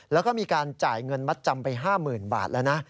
แล้วก็มีการจ่ายเงินมัดจำไป๕๐๐๐บาทแล้วนะ